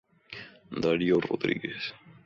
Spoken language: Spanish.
Dario Rodríguez.